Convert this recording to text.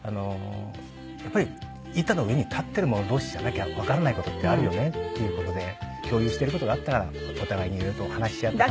やっぱり板の上に立ってる者同士じゃなきゃわからない事ってあるよねっていう事で共有してる事があったらお互いにいろいろと話し合って。